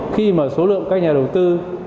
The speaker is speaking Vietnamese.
khi mà số lượng các nhà đầu tư